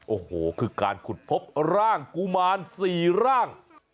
โอ้โหคือการขุดพบร่างกุมาร๔ร่าง